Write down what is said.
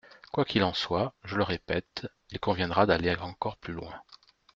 Quoi qu’il en soit, je le répète, il conviendra d’aller encore plus loin.